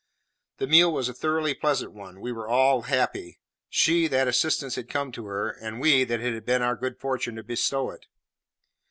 The meal was a thoroughly pleasant one, for we were all happy; she, that assistance had come to her, and we, that it had been our good fortune to bestow it.